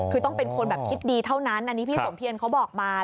คือต้องเป็นคนแบบคิดดีเท่านั้นอันนี้พี่สมเพียรเขาบอกมา